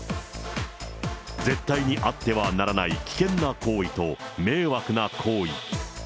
絶対にあってはならない危険な行為と迷惑な行為。